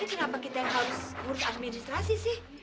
kok tapi kenapa kita yang harus urus administrasi sih